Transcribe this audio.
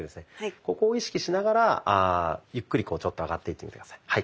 ここを意識しながらゆっくりこうちょっと上がっていってみて下さい。